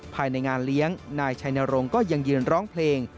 ภายในงานเลี้ยงนายชัยนรงค์ก็ยังยืนร้องเพลง